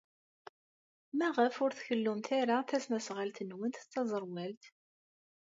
Maɣef ur tkellumt ara tasnasɣalt-nwent d taẓerwalt?